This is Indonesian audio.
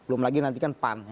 belum lagi nanti kan pan